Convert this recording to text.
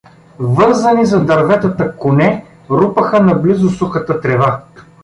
Вързани за дърветата коне рупаха наблизо сухата трева.